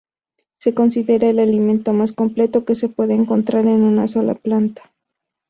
Se considera el alimento más completo que se puede encontrar en una sola planta.